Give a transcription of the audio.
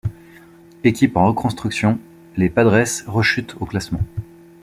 Équipe en reconstruction, les Padres rechutent au classement.